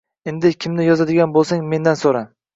Endi kimni yozadigan bo`lsang, mandan so`ra